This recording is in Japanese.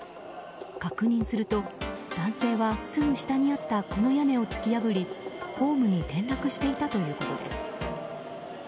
確認すると、男性はすぐ下にあったこの屋根を突き破りホームに転落していたということです。